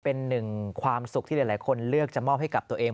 เป็นหนึ่งความสุขที่หลายคนเลือกจะมอบให้กับตัวเอง